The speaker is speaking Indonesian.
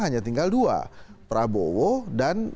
hanya tinggal dua